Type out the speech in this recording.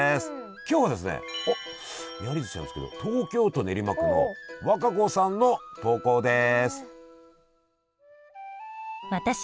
今日はですねおっめはりずしなんですけど東京都練馬区の和歌子さんの投稿です。